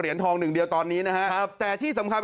เรียนทองหนึ่งเดียวตอนนี้นะครับ